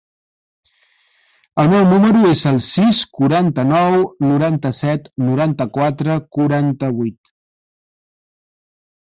El meu número es el sis, quaranta-nou, noranta-set, noranta-quatre, quaranta-vuit.